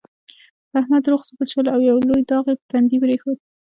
په احمد دروغ ثبوت شول، او یو لوی داغ یې په تندي پرېښود.